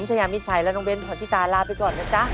ผมชายามิเฉยและน้องเบนส์ผอนติตาลลาไปก่อนนะจ๊ะ